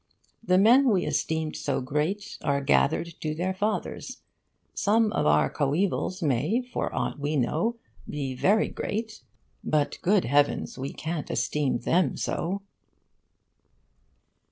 The men we esteemed so great are gathered to their fathers. Some of our coevals may, for aught we know, be very great, but good heavens! we can't esteem them so.